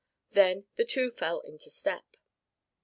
Then the two fell into step.